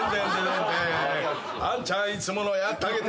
「あんちゃんいつものやったげて」